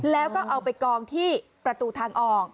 แล้วก็เอาไปกองที่ประตูทางออก